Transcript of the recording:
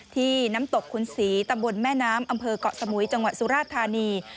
ที่น้ำตกขุนศรีตำบลแม่น้ำอำเภอกเกาะสมุยจังหวัดสุราธานี